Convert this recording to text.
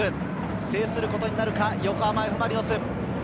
制することになるか、横浜Ｆ・マリノス。